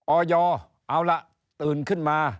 ออยเอาล่ะตื่นขึ้นมา